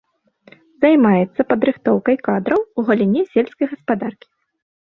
Займаецца падрыхтоўкай кадраў у галіне сельскай гаспадаркі.